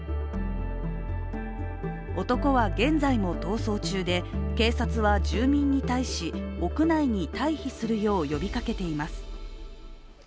男は現在も逃走中で警察は住民に対し、屋内に退避するよう呼びかけています。